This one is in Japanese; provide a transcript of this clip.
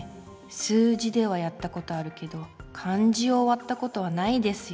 数字ではやったことあるけど漢字をわったことはないですよ。